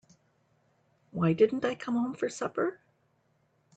Why didn't I come home for supper?